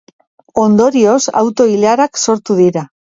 Ondorioz, auto-ilarak sortu dira.